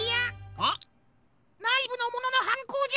ハ？ないぶのもののはんこうじゃ！